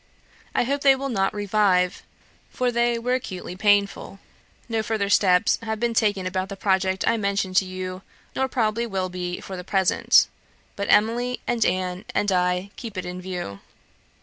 I hope they will not revive, for they were acutely painful. No further steps have been taken about the project I mentioned to you, nor probably will be for the present; but Emily, and Anne, and I, keep it in view.